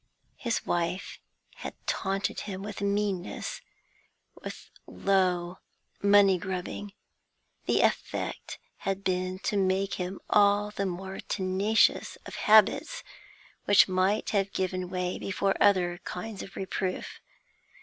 His wife had taunted him with meanness, with low money grubbing; the effect had been to make him all the more tenacious of habits which might have given way before other kinds of reproof.